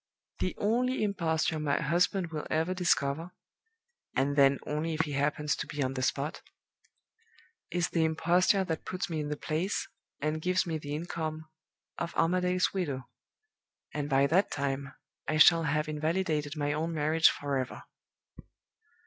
The only imposture my husband will ever discover and then only if he happens to be on the spot is the imposture that puts me in the place, and gives me the income of Armadale's widow; and by that time I shall have invalidated my own marriage forever.